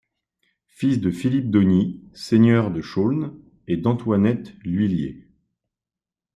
Fils de Philippe d'Ongnies, seigneur de Chaulnes et d'Antoinette Luillier.